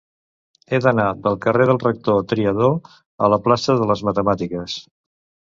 He d'anar del carrer del Rector Triadó a la plaça de les Matemàtiques.